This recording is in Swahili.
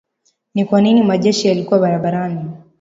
ni kwa nini majeshi yalikuwa barabarani